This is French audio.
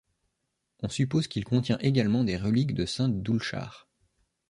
On suppose qu'il contient également des reliques de saint Doulchard.